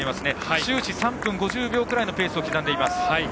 終始３分５０秒ぐらいのペースを刻んでいます。